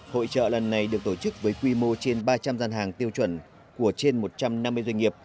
hội trợ lần này được tổ chức với quy mô trên ba trăm linh gian hàng tiêu chuẩn của trên một trăm năm mươi doanh nghiệp